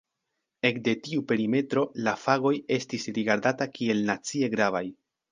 Ekde tiu perimetro la fagoj estas rigardataj kiel "nacie gravaj".